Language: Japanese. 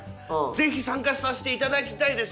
ぜひ参加させていただきたいです！」